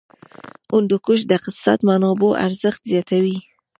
هندوکش د اقتصادي منابعو ارزښت زیاتوي.